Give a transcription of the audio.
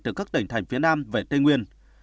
từ các tỉnh thành phía nam về tây nguyên